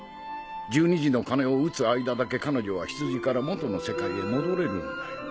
１２時の鐘を打つ間だけ彼女は羊から元の世界へ戻れるんだよ。